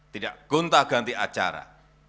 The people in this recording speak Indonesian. tidak guntah ganti acara